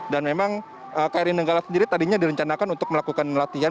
dan memang kri nenggala sendiri tadinya direncanakan untuk melakukan latihan